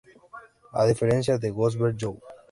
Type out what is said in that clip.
A diferencia de Godspeed You!